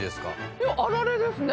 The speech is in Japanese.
いやあられですね。